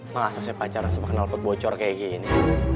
masa saya pacaran sama kenalpot bocor seperti ini